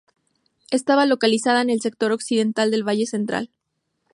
Estaba localizada en el sector occidental del Valle Central.